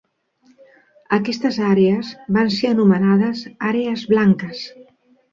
Aquestes àrees van ser anomenades "àrees blanques".